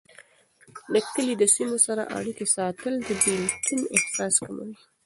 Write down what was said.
د کلي د سیمو سره اړيکې ساتل، د بیلتون احساس کموي.